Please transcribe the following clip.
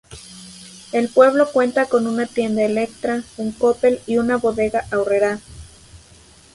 El pueblo cuenta con una tienda Elektra, un Coppel y una Bodega Aurrerá.